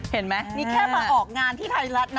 เห็นไหมนี่แค่มาออกงานที่ไทยรัฐนะ